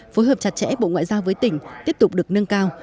phối hợp chặt chẽ bộ ngoại giao với tỉnh tiếp tục được nâng cao